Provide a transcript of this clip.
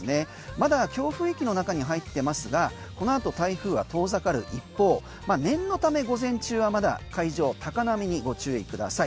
まだ強風域の中に入ってますがこのあと台風は遠ざかる一方念のため午前中はまだ海上、高波にご注意ください。